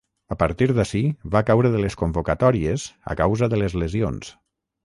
A partir d'ací, va caure de les convocatòries a causa de les lesions.